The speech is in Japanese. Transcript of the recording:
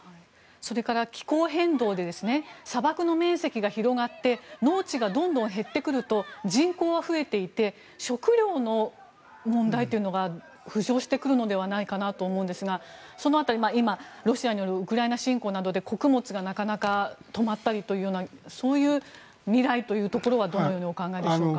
それから気候変動で砂漠の面積が広がって農地がどんどん減ってくると人口は増えていて食料の問題というのが浮上してくるのではないかなと思うのですがその辺り、今、ロシアによるウクライナ侵攻などで穀物が、なかなか止まったりというようなそういう未来というところはどのようにお考えでしょうか。